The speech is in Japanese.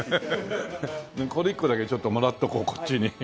これ一個だけちょっともらっておこうこっちに。